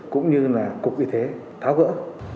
cũng như là cục y thế tháo gỡ